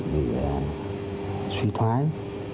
vì suy thoái